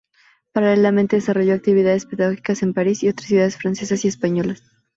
Paralelamente desarrolló actividades pedagógicas en París y otras ciudades francesas y españolas.